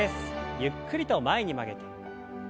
ゆっくりと前に曲げて。